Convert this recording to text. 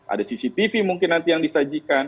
ada cctv mungkin nanti yang disajikan